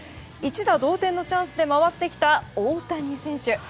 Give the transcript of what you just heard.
一打同点のチャンスで回ってきた大谷選手。